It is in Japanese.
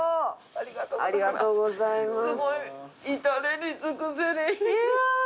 ありがとうございます。